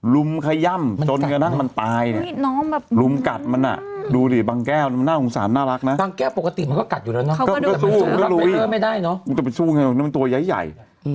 ลุมขยั้มจนกะนั่งมันตาย